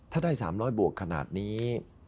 ถ้าได้๓๐๐บวกขนาดนี้